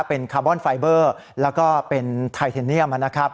เป็นคาร์บอนไฟเบอร์แล้วก็เป็นไทเทเนียมนะครับ